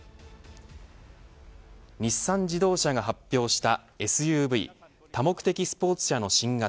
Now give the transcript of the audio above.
日産自動車が発表したＳＵＶ多目的スポーツ車の新型